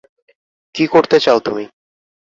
কী করতে চাও তুমি?